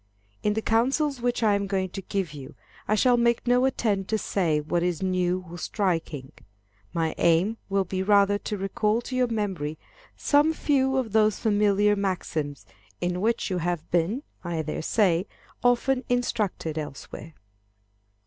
In the counsels which I am going to give you, I shall make no attempt to say what is new or striking. My aim will be rather to recall to your memory some few of those familiar maxims, in which you have been, I dare say, often instructed elsewhere.